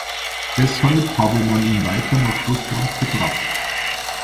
Deshalb habe man ihn weiter nach Russland gebracht.